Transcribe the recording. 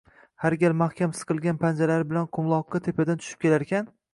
har gal mahkam siqilgan panjalari bilan qumloqqa tepadan tushib kelarkan